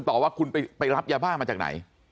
ต่อว่าคุณไปรับยาบ้ามาจากไหน